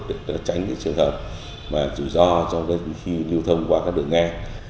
để tránh trường hợp và chủ do do với khi lưu thông qua các đường ngang